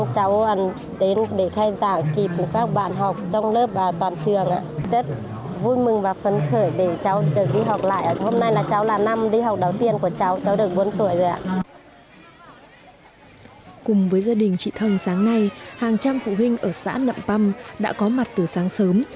cùng với gia đình chị thân sáng nay hàng trăm phụ huynh ở xã nậm păm đã có mặt từ sáng sớm